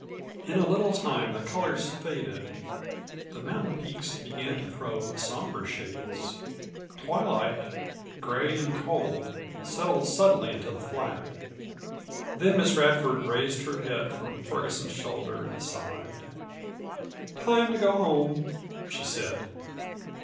In a little time the colors faded, the mountain peaks began to throw sombre shades; twilight gray and cold settled suddenly into the flat. Then Miss Radford raised her head from Ferguson's shoulder and sighed. "Time to go home," she said.